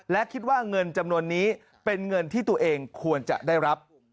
และคิดว่าเงินจำนวนนี้เป็นเงินที่ตัวเองควรจะได้รับ